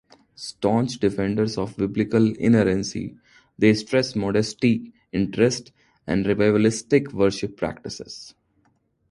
Staunch defenders of Biblical inerrancy, they stress modesty in dress and revivalistic worship practices.